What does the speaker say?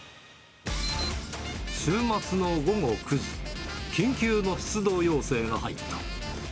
週末の午後９時、緊急の出動要請が入った。